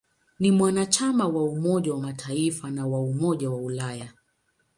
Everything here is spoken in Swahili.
Ni mwanachama wa Umoja wa Mataifa na wa Umoja wa Ulaya.